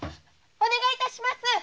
お願い致します